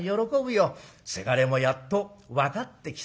『せがれもやっと分かってきたか』。